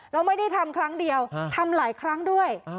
แล้วไม่ได้ทำครั้งเดียวทำหลายครั้งด้วย